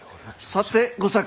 さて吾作。